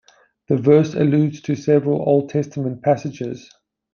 The verse alludes to several Old Testament passages.